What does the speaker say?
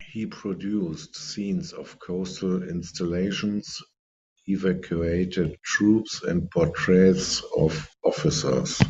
He produced scenes of coastal installations, evacuated troops and portraits of officers.